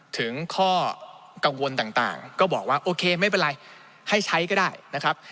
ถึงข้อกังวลต่างก็บอกว่าโอเคไม่เป็นไรให้ใช้ก็ได้นะครับ